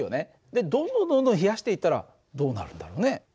でどんどんどんどん冷やしていったらどうなるんだろうね？